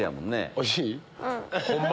おいしい？